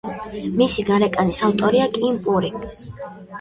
მისი გარეკანის ავტორია კიმ პური.